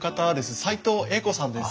斎藤栄子さんです。